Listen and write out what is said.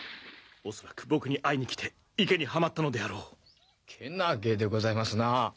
おそらく僕に会いに来て池にはまったのであろう健気でございますなあ